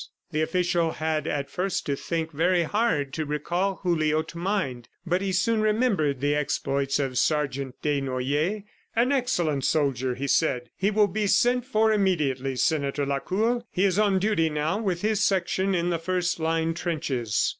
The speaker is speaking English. The official had at first to think very hard to recall Julio to mind, but he soon remembered the exploits of Sergeant Desnoyers. "An excellent soldier," he said. "He will be sent for immediately, Senator Lacour. ... He is on duty now with his section in the first line trenches."